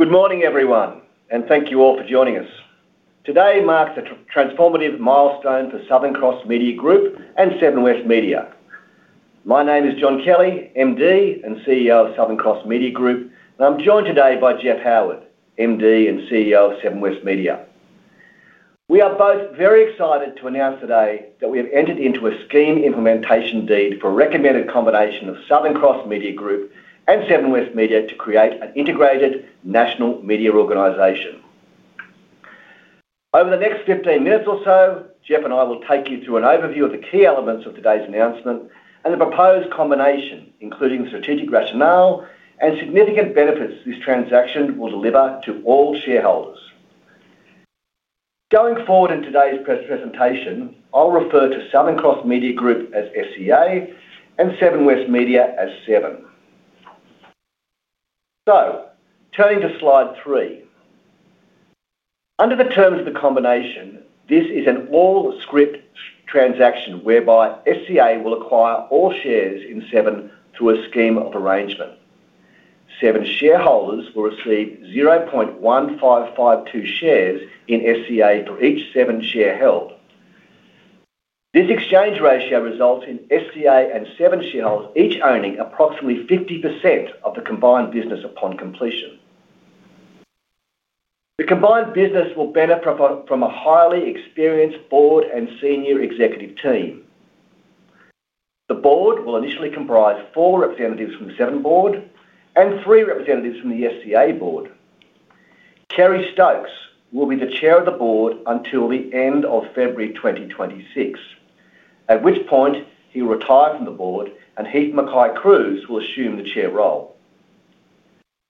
Good morning, everyone, and thank you all for joining us. Today marks a transformative milestone for Southern Cross Media Group and Seven West Media. My name is John Kelly, MD and CEO of Southern Cross Media Group, and I'm joined today by Jeff Howard, MD and CEO of Seven West Media. We are both very excited to announce today that we have entered into a scheme implementation deed for a recommended combination of Southern Cross Media Group and Seven West Media to create an integrated national media organization. Over the next 15 minutes or so, Jeff and I will take you through an overview of the key elements of today's announcement and the proposed combination, including the strategic rationale and significant benefits this transaction will deliver to all shareholders. Going forward in today's presentation, I'll refer to Southern Cross Media Group as SCA and Seven West Media as Seven. Turning to slide three. Under the terms of the combination, this is an all-scrip transaction whereby SCA will acquire all shares in Seven through a scheme of arrangement. Seven shareholders will receive 0.1552 shares in SCA for each Seven share held. This exchange ratio results in SCA and Seven shareholders each owning approximately 50% of the combined business upon completion. The combined business will benefit from a highly experienced board and senior executive team. The board will initially comprise four representatives from the Seven board and three representatives from the SCA board. Kerry Stokes will be the chair of the board until the end of February 2026, at which point he'll retire from the board and Heath MacKay-Cruise will assume the chair role.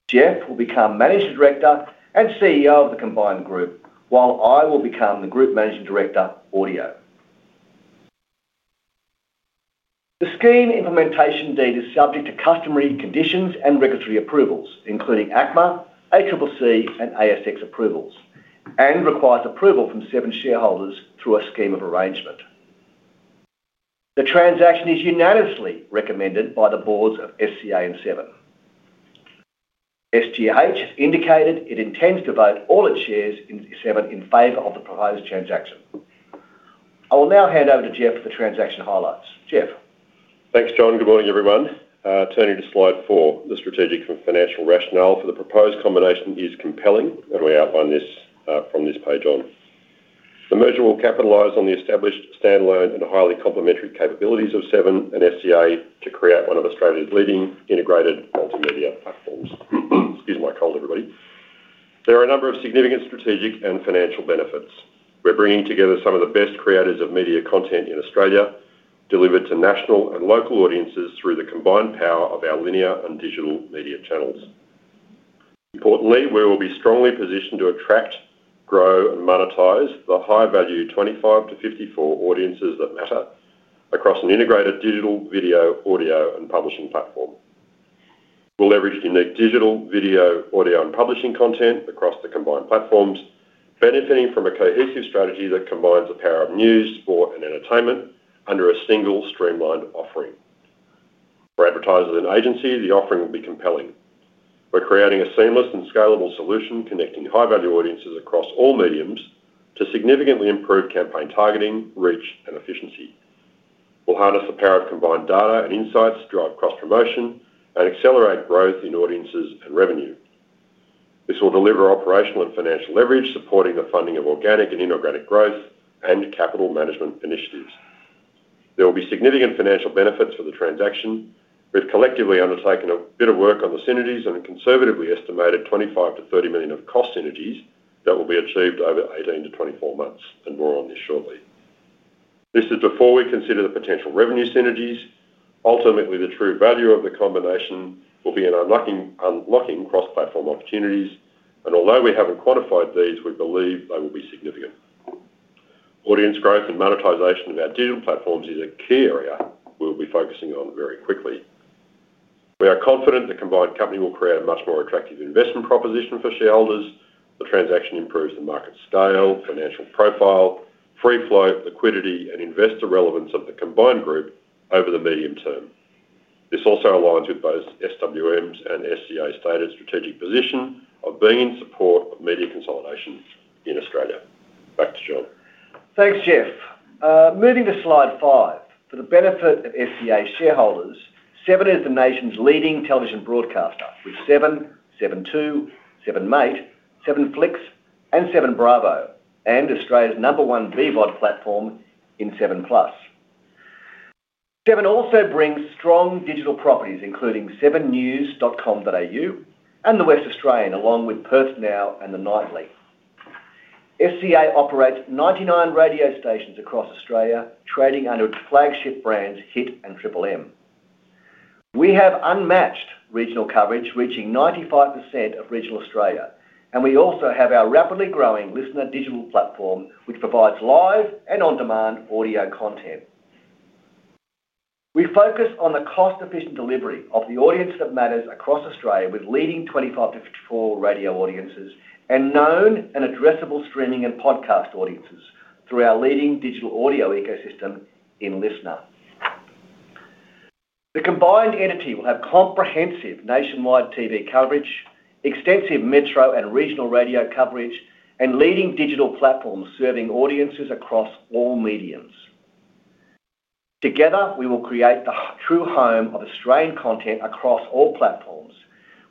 Jeff will become Managing Director and CEO of the combined group, while I will become the Group Managing Director, Audio. The scheme implementation deed is subject to customary conditions and regulatory approvals, including ACMA, ACCC, and ASX approvals, and requires approval from Seven shareholders through a scheme of arrangement. The transaction is unanimously recommended by the boards of SCA and Seven. SGH has indicated it intends to vote all its shares in Seven in favor of the proposed transaction. I will now hand over to Jeff for the transaction highlights. Jeff. Thanks, John. Good morning, everyone. Turning to slide four, the strategic and financial rationale for the proposed combination is compelling, and we outline this from this page on. The merger will capitalize on the established standalone and highly complementary capabilities of Seven and SCA to create one of Australia's leading integrated multimedia platforms. Excuse my cold, everybody. There are a number of significant strategic and financial benefits. We're bringing together some of the best creators of media content in Australia, delivered to national and local audiences through the combined power of our linear and digital media channels. Importantly, we will be strongly positioned to attract, grow, and monetize the high-value 25 to 54 audiences that matter across an integrated digital video, audio, and publishing platform. We'll leverage unique digital, video, audio, and publishing content across the combined platforms, benefiting from a cohesive strategy that combines the power of news, sport, and entertainment under a single streamlined offering. For advertisers and agency, the offering will be compelling. We're creating a seamless and scalable solution connecting high-value audiences across all mediums to significantly improve campaign targeting, reach, and efficiency. We'll harness the power of combined data and insights to drive cross-promotion and accelerate growth in audiences and revenue. This will deliver operational and financial leverage, supporting the funding of organic and inorganic growth and capital management initiatives. There will be significant financial benefits for the transaction, with collectively undertaken a bit of work on the synergies and a conservatively estimated $25 to $30 million of cost synergies that will be achieved over 18 to 24 months, and more on this shortly. This is before we consider the potential revenue synergies. Ultimately, the true value of the combination will be in unlocking cross-platform opportunities, and although we haven't quantified these, we believe they will be significant. Audience growth and monetization of our digital platforms is a key area we'll be focusing on very quickly. We are confident the combined company will create a much more attractive investment proposition for shareholders. The transaction improves the market scale, financial profile, free float, liquidity, and investor relevance of the combined group over the medium term. This also aligns with both SWM's and SCA's stated strategic position of being in support of media consolidation in Australia. Back to John. Thanks, Jeff. Moving to slide five, for the benefit of SCA shareholders, Seven is the nation's leading television broadcaster with Seven, 7TWO, 7mate, 7flix, and 7Bravo, and Australia's number one BVOD platform in Seven Plus. Seven also brings strong digital properties, including sevennews.com.au and The West Australian, along with Perth Now and The Nightly. SCA operates 99 radio stations across Australia, trading under its flagship brands Hit and Triple M. We have unmatched regional coverage, reaching 95% of regional Australia, and we also have our rapidly growing LiSTNR digital platform, which provides live and on-demand audio content. We focus on the cost-efficient delivery of the audience that matters across Australia with leading 25 to 54 radio audiences and known and addressable streaming and podcast audiences through our leading digital audio ecosystem in LiSTNR. The combined entity will have comprehensive nationwide TV coverage, extensive metro and regional radio coverage, and leading digital platforms serving audiences across all mediums. Together, we will create the true home of Australian content across all platforms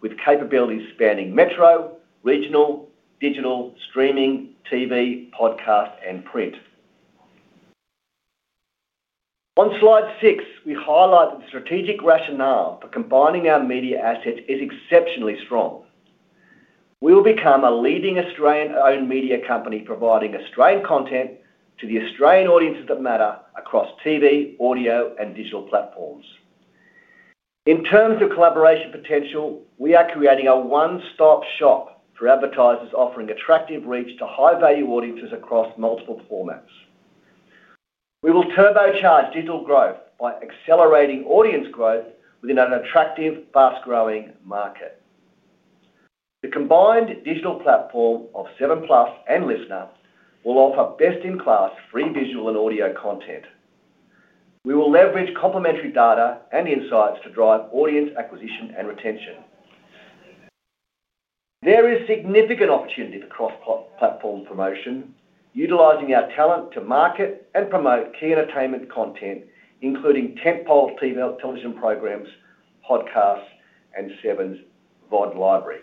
with capabilities spanning metro, regional, digital, streaming, TV, podcast, and print. On slide six, we highlight that the strategic rationale for combining our media assets is exceptionally strong. We'll become a leading Australian-owned media company providing Australian content to the Australian audiences that matter across TV, audio, and digital platforms. In terms of collaboration potential, we are creating a one-stop shop for advertisers offering attractive reach to high-value audiences across multiple formats. We will turbocharge digital growth by accelerating audience growth within an attractive, fast-growing market. The combined digital platform of Seven Plus and LiSTNR will offer best-in-class free visual and audio content. We will leverage complementary data and insights to drive audience acquisition and retention. There is significant opportunity for cross-platform promotion, utilizing our talent to market and promote key entertainment content, including tentpoled TV programs, podcasts, and Seven's VOD library.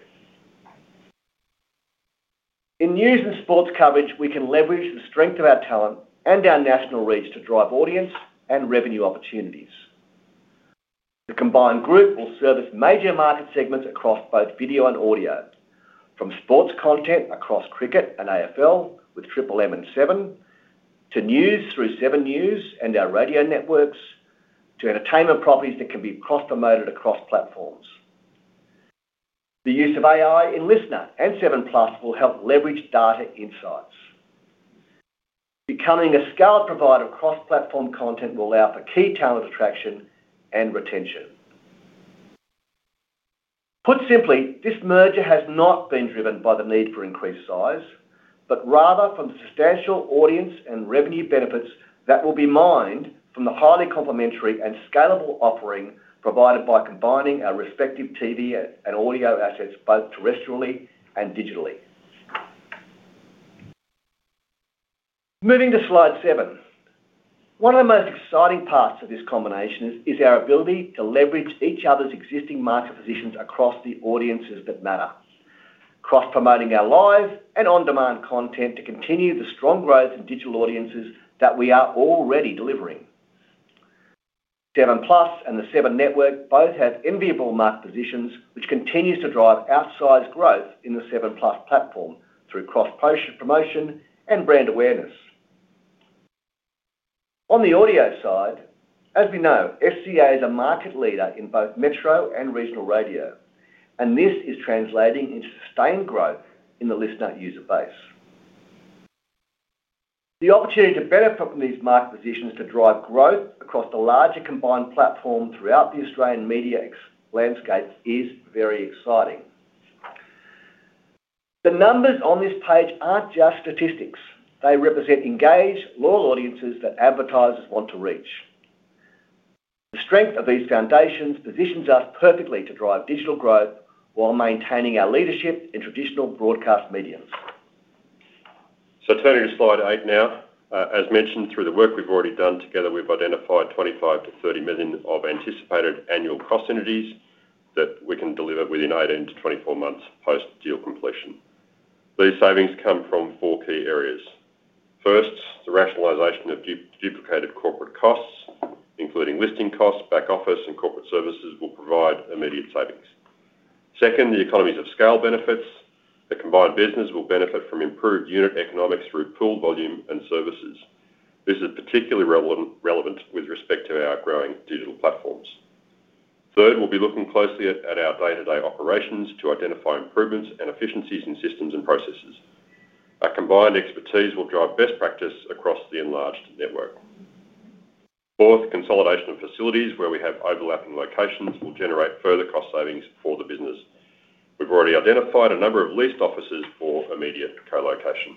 In news and sports coverage, we can leverage the strength of our talent and our national reach to drive audience and revenue opportunities. The combined group will service major market segments across both video and audio, from sports content across cricket and AFL with Triple M and Seven to news through Seven News and our radio networks to entertainment properties that can be cross-promoted across platforms. The use of AI in LiSTNR and 7plus will help leverage data insights. Becoming a scaled provider of cross-platform content will allow for key talent attraction and retention. Put simply, this merger has not been driven by the need for increased size, but rather from the substantial audience and revenue benefits that will be mined from the highly complementary and scalable offering provided by combining our respective Television and audio assets both terrestrially and digitally. Moving to slide seven, one of the most exciting parts of this combination is our ability to leverage each other's existing market positions across the audiences that matter, cross-promoting our live and on-demand content to continue the strong growth in digital audiences that we are already delivering. 7plus and the Seven Network both have enviable market positions, which continues to drive our size growth in the 7plus platform through cross-promotion and brand awareness. On the audio side, as we know, SCA is a market leader in both Metro Radio and Regional Radio, and this is translating into sustained growth in the LiSTNR user base. The opportunity to benefit from these market positions to drive growth across the larger combined platform throughout the Australian media landscape is very exciting. The numbers on this page aren't just statistics; they represent engaged, loyal audiences that advertisers want to reach. The strength of these foundations positions us perfectly to drive digital growth while maintaining our leadership in traditional broadcast mediums. Turning to slide eight now, as mentioned, through the work we've already done together, we've identified $25 to $30 million of anticipated annual cost synergies that we can deliver within 18 to 24 months post-deal completion. These savings come from four key areas. First, the rationalization of duplicated corporate costs, including listing costs, back office, and corporate services, will provide immediate savings. Second, the economies of scale benefits. The combined business will benefit from improved unit economics through pooled volume and services. This is particularly relevant with respect to our growing digital platforms. Third, we'll be looking closely at our day-to-day operations to identify improvements and efficiencies in systems and processes. Our combined expertise will drive best practice across the enlarged network. Fourth, consolidation of facilities where we have overlapping locations will generate further cost savings for the business. We've already identified a number of leased offices for a media co-location.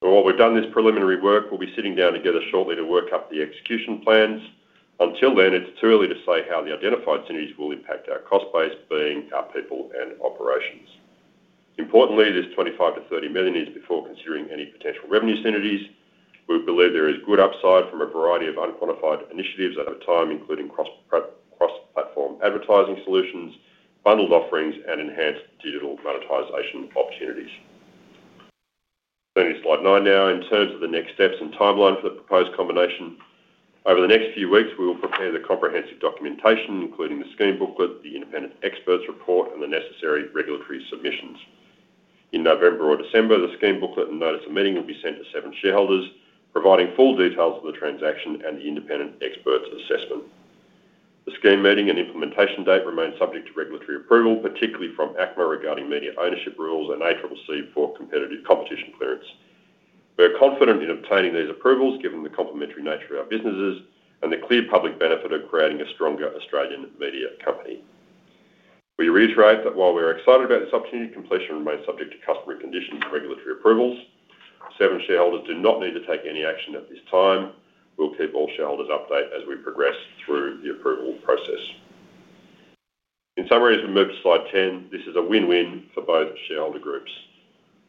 While we've done this preliminary work, we'll be sitting down together shortly to work up the execution plans. Until then, it's too early to say how the identified synergies will impact our cost base, being our people and operations. Importantly, this $25 to $30 million is before considering any potential revenue synergies. We believe there is good upside from a variety of unquantified initiatives ahead of time, including cross-platform advertising solutions, bundled offerings, and enhanced digital monetization opportunities. Turning to slide nine now, in terms of the next steps and timeline for the proposed combination, over the next few weeks, we will prepare the comprehensive documentation, including the scheme booklet, the independent expert's report, and the necessary regulatory submissions. In November or December, the scheme booklet and notice of meeting will be sent to Seven shareholders, providing full details of the transaction and the independent expert's assessment. The scheme meeting and implementation date remain subject to regulatory approval, particularly from ACMA regarding media ownership rules and ACCC for competitive competition clearance. We're confident in obtaining these approvals given the complementary nature of our businesses and the clear public benefit of creating a stronger Australian media company. We reiterate that while we're excited about this opportunity, completion remains subject to customary conditions and regulatory approvals. Seven shareholders do not need to take any action at this time. We'll keep all shareholders updated as we progress through the approval process. In summary, as we move to slide 10, this is a win-win for both shareholder groups.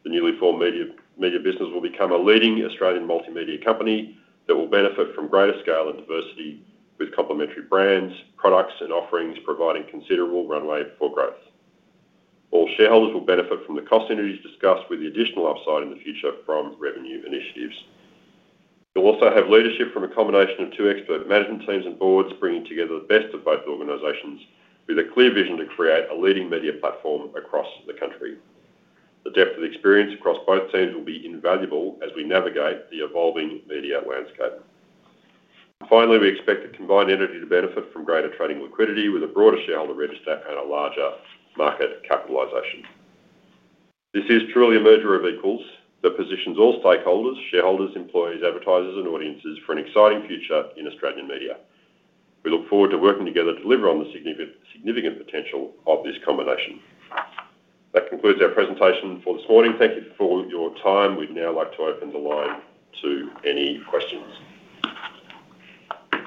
The newly formed media business will become a leading Australian multimedia company that will benefit from greater scale and diversity with complementary brands, products, and offerings, providing considerable runway for growth. All shareholders will benefit from the cost synergies discussed with the additional upside in the future from revenue initiatives. We'll also have leadership from a combination of two expert management teams and boards, bringing together the best of both organizations with a clear vision to create a leading media platform across the country. The depth of experience across both teams will be invaluable as we navigate the evolving media landscape. Finally, we expect the combined entity to benefit from greater trading liquidity with a broader shareholder register and a larger market capitalization. This is truly a merger of equals that positions all stakeholders, shareholders, employees, advertisers, and audiences for an exciting future in Australian media. We look forward to working together to deliver on the significant potential of this combination. That concludes our presentation for this morning. Thank you for all your time. We'd now like to open the line to any questions.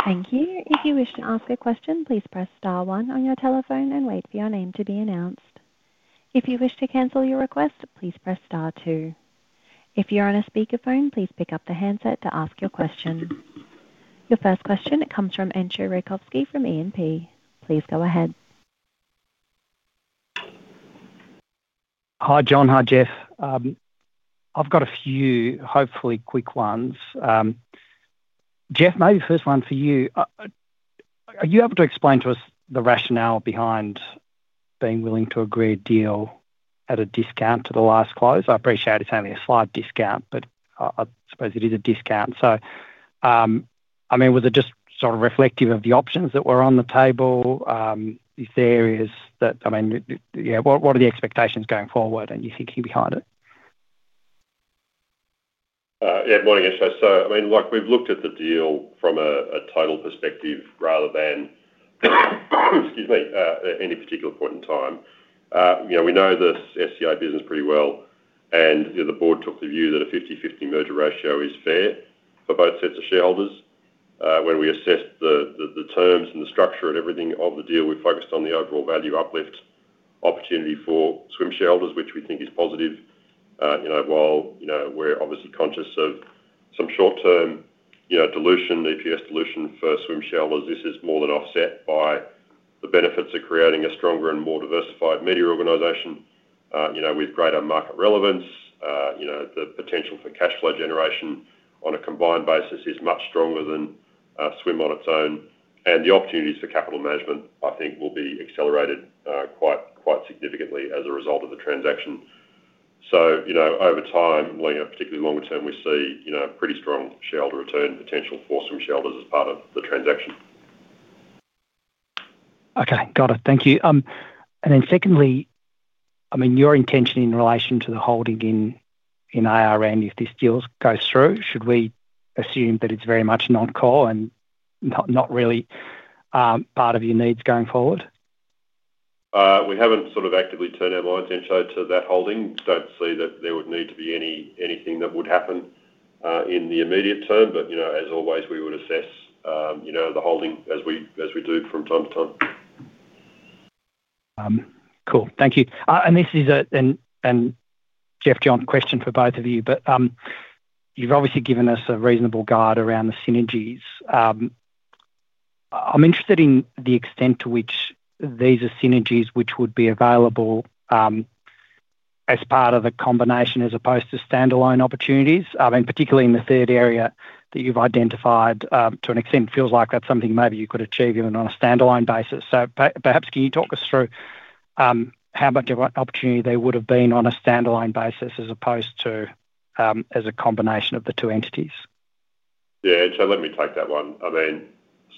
Thank you. If you wish to ask a question, please press star one on your telephone and wait for your name to be announced. If you wish to cancel your request, please press star two. If you're on a speakerphone, please pick up the handset to ask your question. Your first question comes from Andrew Rykowski from ENP. Please go ahead. Hi, John. Hi, Jeff. I've got a few, hopefully, quick ones. Jeff, maybe the first one for you. Are you able to explain to us the rationale behind being willing to agree a deal at a discount to the last close? I appreciate it's only a slight discount, but I suppose it is a discount. Was it just sort of reflective of the options that were on the table? Are there areas that, what are the expectations going forward and your thinking behind it? Yeah, morning Isha. Look, we've looked at the deal from a total perspective rather than any particular point in time. We know the SCA business pretty well and the board took the view that a 50-50 merger ratio is fair for both sets of shareholders. When we assessed the terms and the structure and everything of the deal, we focused on the overall value uplift, opportunity for SCA shareholders, which we think is positive. While we're obviously conscious of some short-term EPS dilution for SCA shareholders, this is more than offset by the benefits of creating a stronger and more diversified media organization. With greater market relevance, the potential for cash flow generation on a combined basis is much stronger than SCA on its own. The opportunities for capital management, I think, will be accelerated quite significantly as a result of the transaction. Over time, particularly longer term, we see pretty strong shareholder return potential for SCA shareholders as part of the transaction. Okay, got it. Thank you. Secondly, your intention in relation to the holding in ARN if this deal goes through, should we assume that it's very much non-core and not really part of your needs going forward? We haven't actively turned our minds, Isha, to that holding. I don't see that there would need to be anything that would happen in the immediate term. As always, we would assess the holding as we do from time to time. Thank you. This is a, and Jeff, John, question for both of you, but you've obviously given us a reasonable guide around the synergies. I'm interested in the extent to which these are synergies which would be available as part of the combination as opposed to standalone opportunities. I mean, particularly in the third area that you've identified, to an extent, it feels like that's something maybe you could achieve even on a standalone basis. Perhaps can you talk us through how much of an opportunity there would have been on a standalone basis as opposed to as a combination of the two entities? Yeah, Isha, let me take that one. I mean,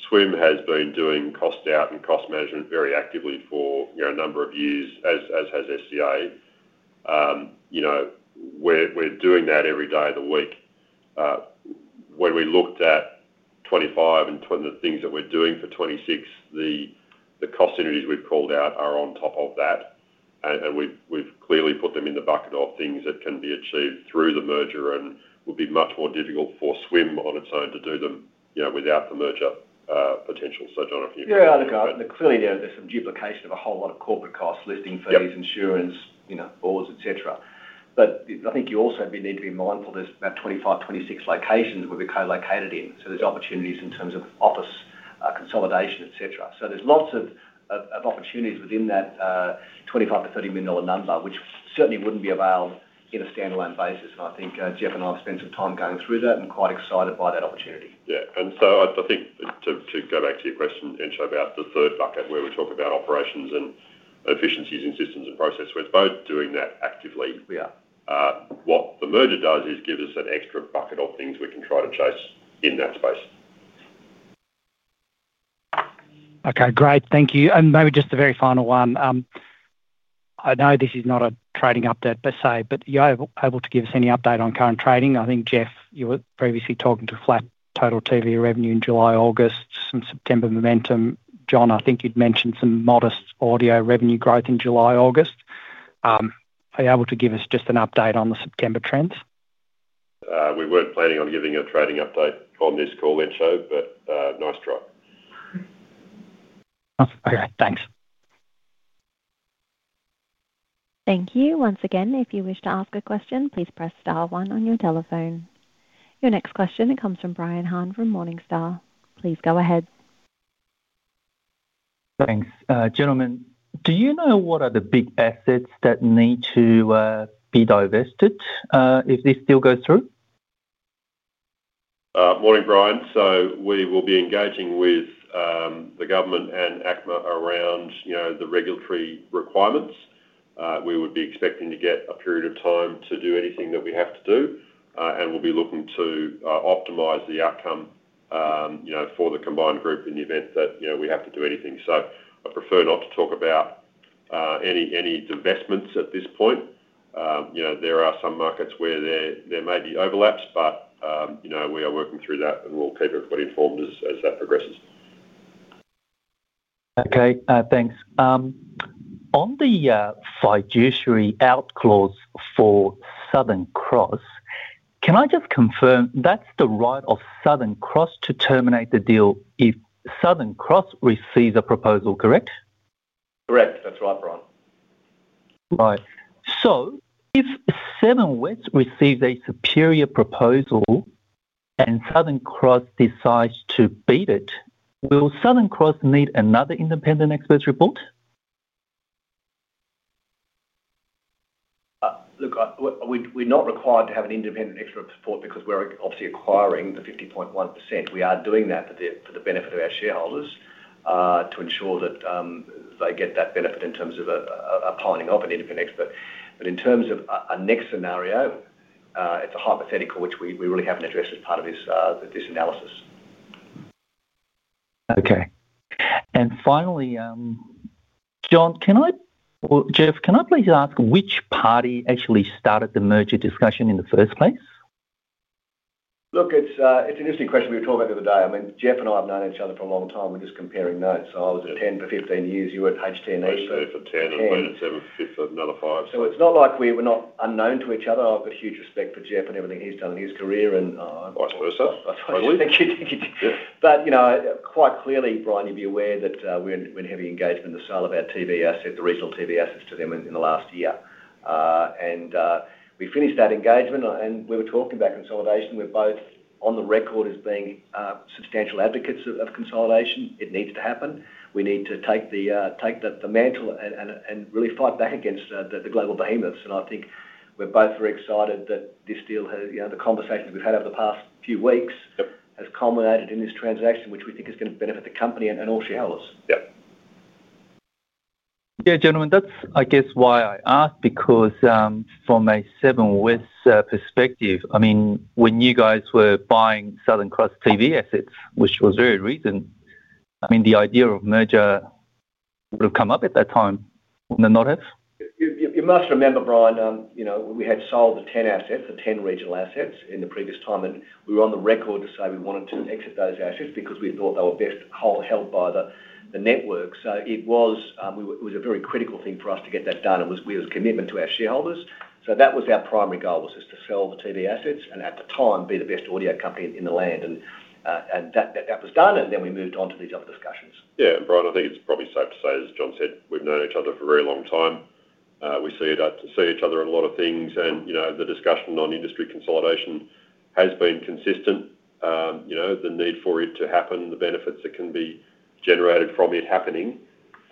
SCA has been doing cost out and cost measurement very actively for a number of years, as has SCA. We're doing that every day of the week. When we looked at 2025 and the things that we're doing for 2026, the cost synergies we've called out are on top of that. We've clearly put them in the bucket of things that can be achieved through the merger and would be much more difficult for SCA on its own to do them without the merger potential. John, I think. Yeah, I think I clearly know there's some duplication of a whole lot of corporate costs, listing fees, insurance, you know, boards, etc. I think you also need to be mindful there's about 25, 26 locations we'll be co-located in. There's opportunities in terms of office consolidation, etc. There's lots of opportunities within that $25 to $30 million number, which certainly wouldn't be available in a standalone basis. I think Jeff and I have spent some time going through that and quite excited by that opportunity. I think to go back to your question, Isha, about the third bucket where we talk about operations and efficiencies in systems and process, we're both doing that actively. What the merger does is give us an extra bucket of things we can try to chase in that space. Okay, great. Thank you. Maybe just the very final one. I know this is not a trading update per se, but are you able to give us any update on current trading? I think, Jeff, you were previously talking to flat total TV revenue in July, August, some September momentum. John, I think you'd mentioned some modest audio revenue growth in July, August. Are you able to give us just an update on the September trends? We weren't planning on giving a trading update on this call, Isha, but nice try. Okay, thanks. Thank you. Once again, if you wish to ask a question, please press star one on your telephone. Your next question comes from Brian Hahn from Morningstar. Please go ahead. Thanks. Gentlemen, do you know what are the big assets that need to be divested if this deal goes through? Morning, Brian. We will be engaging with the government and ACMA around the regulatory requirements. We would be expecting to get a period of time to do anything that we have to do, and we'll be looking to optimize the outcome for the combined group in the event that we have to do anything. I prefer not to talk about any divestments at this point. There are some markets where there may be overlaps, but we are working through that and we'll keep everybody informed as that progresses. Okay, thanks. On the fiduciary out clause for Southern Cross, can I just confirm that's the right of Southern Cross to terminate the deal if Southern Cross receives a proposal, correct? Correct. That's right, Brian. Right. If Seven West receives a superior proposal and Southern Cross decides to beat it, will Southern Cross need another independent expert's report? Look, we're not required to have an independent expert's report because we're obviously acquiring the 50.1%. We are doing that for the benefit of our shareholders to ensure that they get that benefit in terms of a piling of an independent expert. In terms of our next scenario, it's a hypothetical which we really haven't addressed as part of this analysis. Okay. Finally, John, can I, or Jeff, can I please ask which party actually started the merger discussion in the first place? Look, it's an interesting question we were talking about the other day. I mean, Jeff and I have known each other for a long time. We're just comparing notes. I was at Ten Network for 15 years. You were at HTNH. I was 10 for 10 and I was at Seven for another five. We're not unknown to each other. I have a huge respect for Jeff and everything he's done in his career. I thought so. Quite clearly, Brian, you'd be aware that we're in heavy engagement in the sale of our TV assets, the regional TV assets to them in the last year. We finished that engagement and we were talking about consolidation. We're both on the record as being substantial advocates of consolidation. It needs to happen. We need to take the mantle and really fight back against the global behemoths. I think we're both very excited that this deal has, the conversations we've had over the past few weeks have culminated in this transaction, which we think is going to benefit the company and all shareholders. Yeah. Yeah, gentlemen, that's why I asked because from a Seven West perspective, I mean, when you guys were buying Southern Cross TV assets, which was very recent, the idea of merger would have come up at that time, would it not have? You must remember, Brian, you know, we had sold the 10 assets, the 10 regional assets in the previous time, and we were on the record to say we wanted to exit those assets because we thought they were best held by the network. It was a very critical thing for us to get that done, and we had a commitment to our shareholders. That was our primary goal, just to sell the TV assets and at the time be the best audio company in the land. That was done, and we moved on to these other discussions. Yeah, and Brian, I think it's probably safe to say, as John said, we've known each other for a very long time. We see each other in a lot of things, and the discussion on industry consolidation has been consistent. The need for it to happen, the benefits that can be generated from it happening.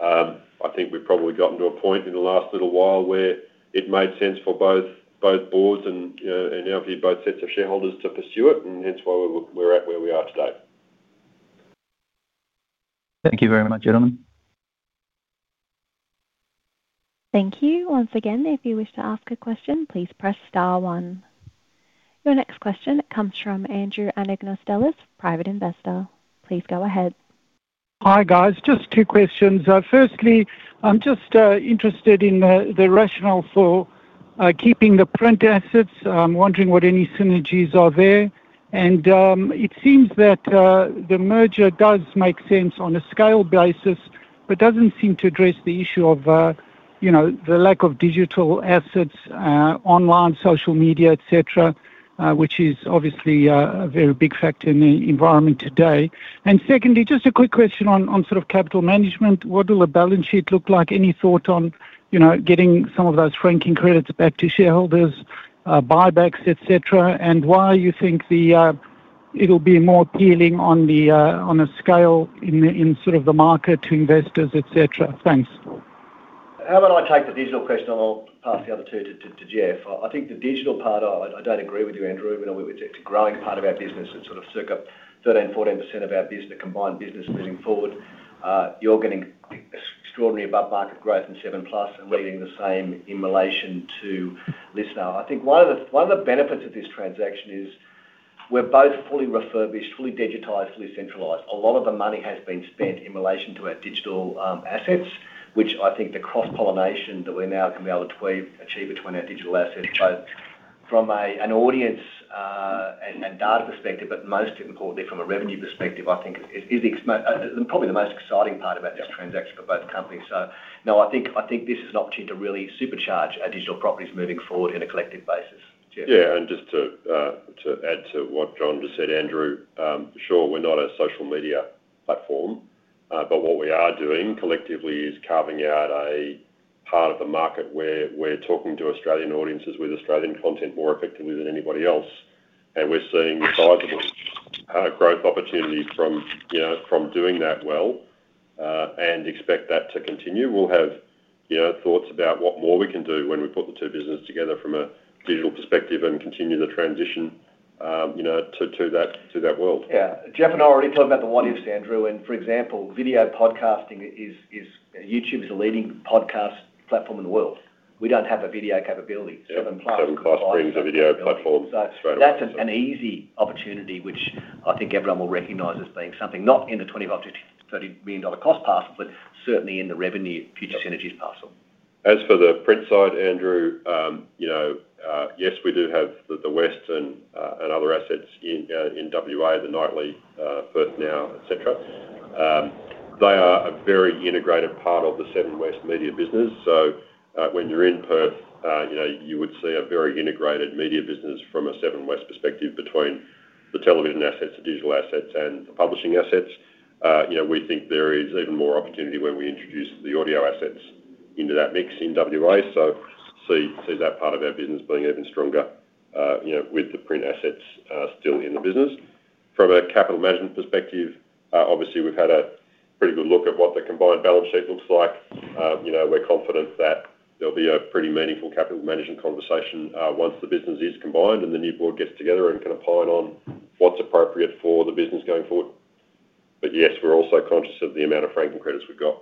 I think we've probably gotten to a point in the last little while where it made sense for both boards and now for both sets of shareholders to pursue it, and hence why we're at where we are today. Thank you very much, gentlemen. Thank you. Once again, if you wish to ask a question, please press star one. Your next question comes from Andrew Anagnostellis, private investor. Please go ahead. Hi guys, just two questions. Firstly, I'm just interested in the rationale for keeping the print assets. I'm wondering what any synergies are there. It seems that the merger does make sense on a scale basis, but doesn't seem to address the issue of, you know, the lack of digital assets, online, social media, etc., which is obviously a very big factor in the environment today. Secondly, just a quick question on sort of capital management. What will the balance sheet look like? Any thought on, you know, getting some of those franking credits back to shareholders, buybacks, etc., and why you think it'll be more appealing on a scale in sort of the market to investors, etc.? Thanks. How about I take the digital question and I'll pass the other two to Jeff? I think the digital part, I don't agree with you, Andrew. It's a growing part of our business. It's sort of circa 13%, 14% of our business, the combined business moving forward. You're getting extraordinary above market growth in Seven Plus, and we're getting the same in relation to LiSTNR. I think one of the benefits of this transaction is we're both fully refurbished, fully digitized, fully centralized. A lot of the money has been spent in relation to our digital assets, which I think the cross-pollination that we now can be able to achieve between our digital assets, which I from an audience and data perspective, but most importantly from a revenue perspective, I think is probably the most exciting part about this transaction for both companies. I think this is an opportunity to really supercharge our digital properties moving forward in a collective basis. Yeah, just to add to what John just said, Andrew, sure, we're not a social media platform, but what we are doing collectively is carving out a part of the market where we're talking to Australian audiences with Australian content more effectively than anybody else. We're seeing a growth opportunity from doing that well and expect that to continue. We'll have thoughts about what more we can do when we put the two businesses together from a digital perspective and continue the transition to that world. Yeah, Jeff and I already talked about the what-ifs, Andrew. For example, video podcasting is YouTube's leading podcast platform in the world. We don't have a video capability. Seven Plus brings a video platform. That's an easy opportunity, which I think everyone will recognize as being something not in the $25 to $30 million cost parcel, but certainly in the revenue future synergies parcel. As for the print side, Andrew, yes, we do have The West and other assets in WA, The Nightly, Perth Now, etc. They are a very integrated part of the Seven West Media business. When you're in Perth, you would see a very integrated media business from a Seven West perspective between the television assets, the digital assets, and the publishing assets. We think there is even more opportunity when we introduce the audio assets into that mix in WA. See that part of our business being even stronger, with the print assets still in the business. From a capital management perspective, obviously we've had a pretty good look at what the combined balance sheet looks like. We're confident that there'll be a pretty meaningful capital management conversation once the business is combined and the new board gets together and can opine on what's appropriate for the business going forward. Yes, we're also conscious of the amount of franking credits we've got.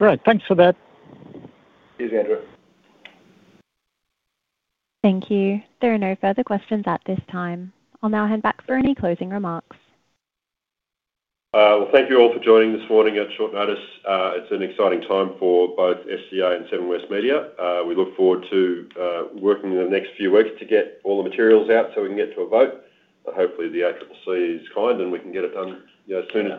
Great, thanks for that. Cheers, Andrew. Thank you. There are no further questions at this time. I'll now hand back for any closing remarks. Thank you all for joining this morning at short notice. It's an exciting time for both SCA and Seven West Media. We look forward to working in the next few weeks to get all the materials out so we can get to a vote. Hopefully, the ACCC is kind and we can get it done as soon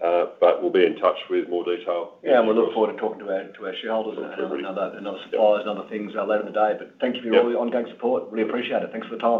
as possible. We'll be in touch with more detail. Yeah, we look forward to talking to our shareholders and other suppliers and other things later in the day. Thank you for your ongoing support. Really appreciate it. Thanks for the time.